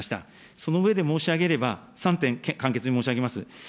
その上で申し上げれば、３点簡潔に申し上げます。